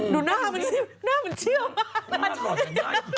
ดูหน้ามันสิหน้ามันเชี่ยวมาก